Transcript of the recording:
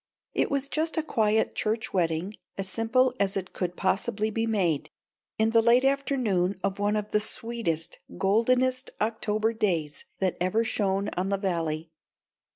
It was just a quiet church wedding, as simple as it could possibly be made, in the late afternoon of one of the sweetest, goldenest October days that ever shone on the Valley.